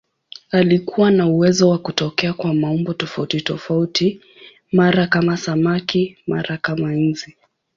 Alikuwa na uwezo wa kutokea kwa maumbo tofautitofauti, mara kama samaki, mara kama nzi.